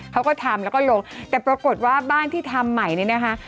เขาก็ทำแล้วก็ลงแต่ปรากฏว่าบ้านที่ทำใหม่เนี่ยนะคะ